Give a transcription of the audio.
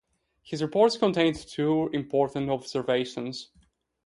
His reports contained two important observations.